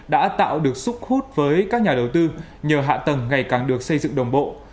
đã tạo được sức hút với các nhà đầu tư nhờ hạ tầng ngày càng được xây dựng đồng bộ